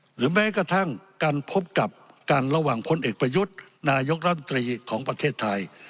หรือแม้กระทั่งการพบกับกันระหว่างพลเอกประยุทธ์นายกรัฐมนตรีของประเทศไทย